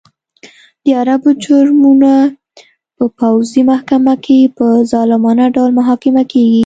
د عربو جرمونه په پوځي محکمه کې په ظالمانه ډول محاکمه کېږي.